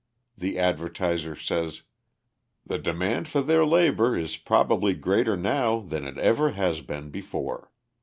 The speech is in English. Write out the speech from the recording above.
The Advertiser says: The demand for their labour is probably greater now than it ever has been before.